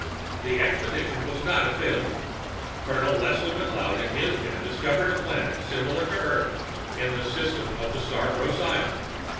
"The expedition was not a failure! Colonel Leslie McLeod and his men discovered a planet similar to Earth in the system of the star Procyon.